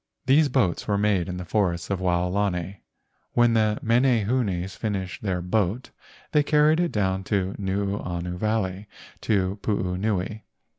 These boats were made in the forests of Wao¬ lani. When the menehunes finished their boat they carried it down Nuuanu Valley to Puunui.